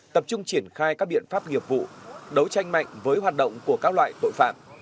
tập trung triển khai các biện pháp nghiệp vụ đấu tranh mạnh với hoạt động của các loại tội phạm